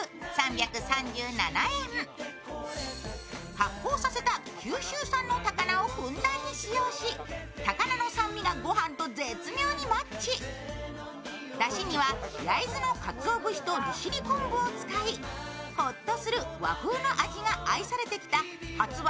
発酵させた九州産の高菜をふんだんに使用しだしには焼津のかつお節と利尻昆布を使いホッとする和風の味が愛されてきた発売